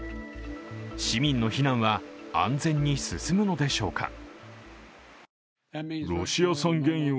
市民の避難は安全に進むのでしょうか。